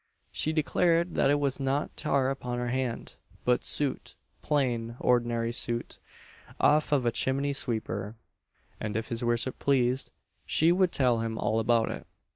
She declared that it was not tar upon her hand, but soot plain, ordinary soot, "off of a chimney sweeper;" and, if his worship pleased, she would tell him all about it.